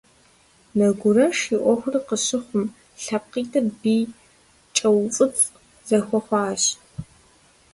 Нэгурэш и Ӏуэхур къыщыхъум, лъэпкъитӀыр бий кӀэуфӀыцӀ зэхуэхъуащ.